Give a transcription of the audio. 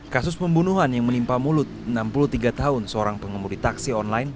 kasus pembunuhan yang menimpa mulut enam puluh tiga tahun seorang pengemudi taksi online